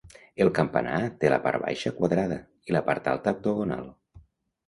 El campanar té la part baixa quadrada i la part alta octogonal.